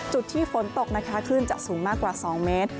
จุดที่ฝนตกขึ้นจะสูงมากกว่า๒เมตร